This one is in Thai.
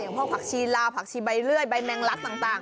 พวกผักชีลาวผักชีใบเลื่อยใบแมงลักต่าง